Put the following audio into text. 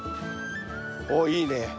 おいいね。